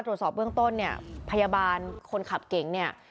ตรวจสอบเบื้องต้นเนี่ยพยาบาลคนขับเก่งเนี่ย